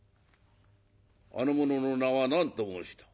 あの者の名は何と申した？